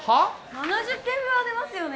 ７０点分は出ますよね？